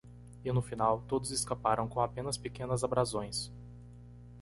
E no final? todos escaparam com apenas pequenas abrasões.